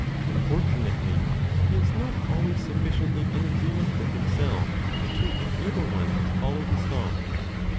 Unfortunately, he is not always sufficiently in agreement with himself to enable one to follow his thought.